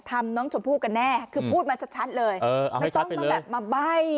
ทำน้องชมพู่กันแน่คือพูดมาชัดเลยเออเอาให้ชัดเป็นเลยไม่ต้องต้องแบบมาใบ้